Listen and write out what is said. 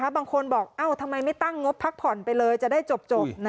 บางคนบอกทำไมไม่ตั้งงบพักผ่อนไปเลยจะได้จบ